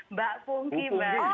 mbak pongki mbak